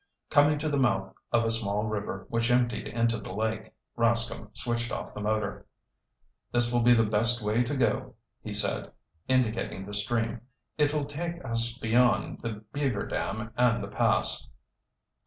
Coming to the mouth of a small river which emptied into the lake, Rascomb switched off the motor. "This will be the best way to go," he said, indicating the stream. "It will take us beyond the beaver dam and the pass."